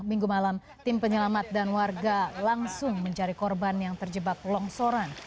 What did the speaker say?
minggu malam tim penyelamat dan warga langsung mencari korban yang terjebak longsoran